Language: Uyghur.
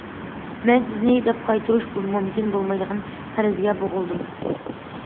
مەن سىزنى دەپ قايتۇرۇش مۇمكىن بولمايدىغان قەرزگە بوغۇلدۇم.